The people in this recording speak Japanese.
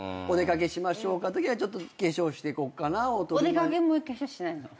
お出掛けも化粧しないの。